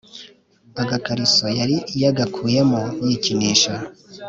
agakariso yari yagakuyemo yikinisha